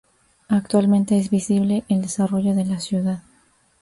Actualmente es visible el desarrollo de la ciudad.